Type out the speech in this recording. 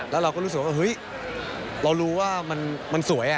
แล้วเราก็รู้สึกว่าเฮ้ยเรารู้ว่ามันสวย